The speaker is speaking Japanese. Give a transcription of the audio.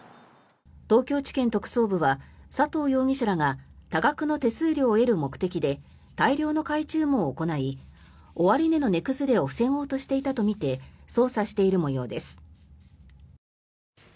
東京地検特捜部は佐藤容疑者らが多額の手数料を得る目的で大量の買い注文を行い終値の値崩れを防ごうとしていたとみて捜査している模様です。